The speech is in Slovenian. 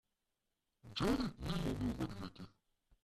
Jerry ni mogel verjeti.